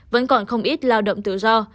vẫn còn không ít lao động tự do